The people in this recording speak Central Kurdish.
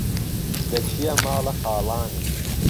دهچيه ماڵه خاڵاني